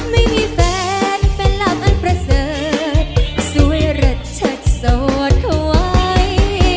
ไม่มีแฟนเป็นลำอันประเสริฐสวยระดับชัดโสดเขาไว้